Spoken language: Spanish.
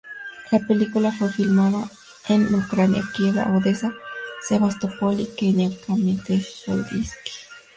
La película fue filmada en Ucrania, Kiev, Odessa, Sevastopol y en Kamyanets-Podilsky.